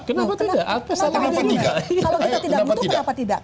kalau kita tidak butuh kenapa tidak